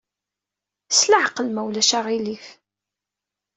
S leɛqel, ma ulac aɣilif.